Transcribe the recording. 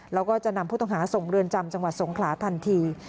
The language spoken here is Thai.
แล้วก็จะนำผู้ต้องหาส่งเรือนจำจังหวัดสงขลาทันที